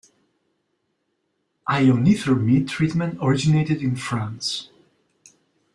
Ionithermie treatment originated in France.